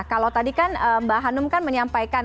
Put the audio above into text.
kalau tadi kan mbak hanum kan menyampaikan